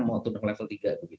memang turun ke level tiga gitu